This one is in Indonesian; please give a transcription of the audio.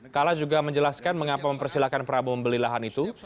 kala juga menjelaskan mengapa mempersilahkan prabowo membeli lahan itu